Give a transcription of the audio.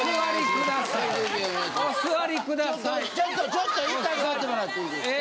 ちょっと一旦座ってもらっていいですか？